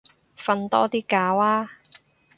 瞓多啲覺啊